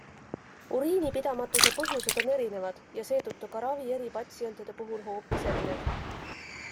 Uriinipidamatuse põhjused on erinevad ja seetõttu ka ravi eri patsientide puhul hoopis erinev.